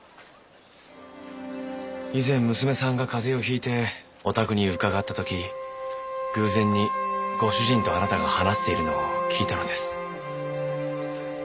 以前娘さんが風邪をひいてお宅に伺った時偶然にご主人とあなたが話しているのを聞いたのです。